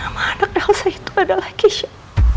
nama anak elsa itu adalah kisah